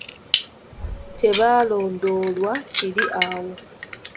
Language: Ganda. Tebalondoolwa kiri awo.